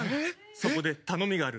そこで頼みがある。